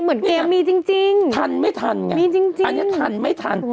เหมือนเกมมีจริงจริงทันไม่ทันไงมีจริงจริงอันนี้ทันไม่ทัน